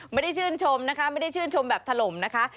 ไม่ได้ชื่นชมนะคะไม่ได้ชื่นชมแบบถล่มนะคะ